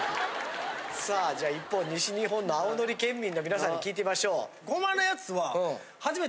さあじゃあ一方西日本の青のり県民の皆さんに聞いてみましょう。